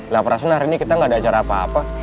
lah perasaan hari ini kita gak ada acara apa apa